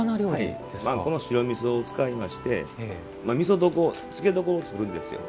白みそを使いましてみそ床、漬け床を作るんですよ。